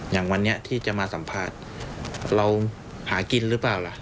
อย่างวันนี้ที่จะมาสัมภาษณ์เราหากินหรือเปล่าล่ะ